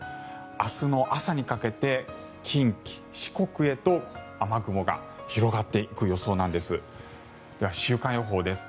明日の朝にかけて近畿、四国へと雨雲が広がっていく予想なんです。